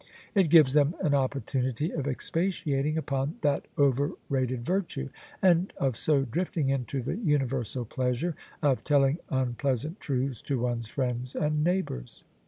It gives them an opportunity of expatiating upon that over rated virtue, and of so drifting into the universal pleasure of telling unpleasant truths to one's friends and neighbours."